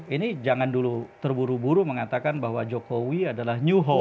ini jangan dulu terburu buru mengatakan bahwa jokowi adalah new home